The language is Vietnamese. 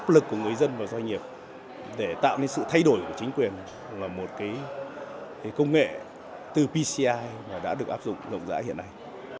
rộng rãi hiện nay